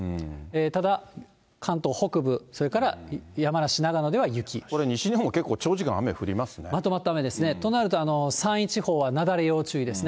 ただ、関東北部、これ、西日本も結構長時間、まとまった雨ですね、となると、山陰地方は雪崩要注意ですね。